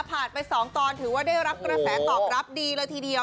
ไป๒ตอนถือว่าได้รับกระแสตอบรับดีเลยทีเดียว